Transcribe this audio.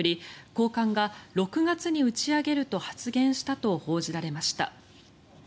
高官が６月に打ち上げると発言したと報じられました。